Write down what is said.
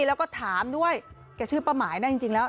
แล้วก็ถามด้วยแกชื่อป้าหมายนะจริงแล้ว